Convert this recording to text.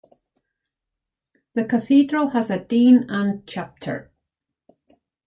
The cathedral has a Dean and Chapter.